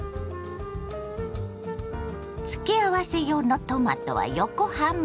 付け合わせ用のトマトは横半分に。